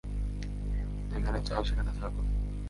যেখানে চাও সেখানে থাকো।